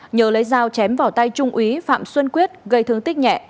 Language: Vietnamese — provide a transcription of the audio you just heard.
nhớ lấy dao chém vào tay trung ý phạm xuân quyết gây thương tích nhẹ